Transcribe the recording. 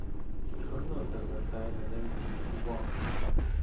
Чорнота звертає на неї мою увагу.